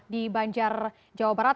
di banjar jawa barat